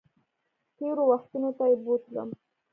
تېرو وختونو ته یې بوتلم